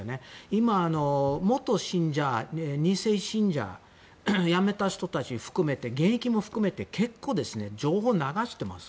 今、元信者、２世信者やめた人たちを含めて現役も含めて結構情報を流していない。